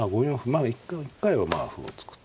まあ一回は歩を突くと。